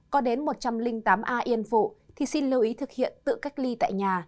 có đến một trăm linh tám a yên phụ thì xin lưu ý thực hiện tự cách ly tại nhà